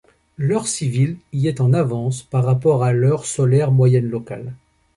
L'heure civile y est en avance par rapport à l'heure solaire moyenne locale.